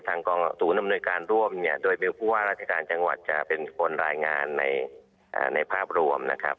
กองศูนย์อำนวยการร่วมเนี่ยโดยเบลผู้ว่าราชการจังหวัดจะเป็นคนรายงานในภาพรวมนะครับ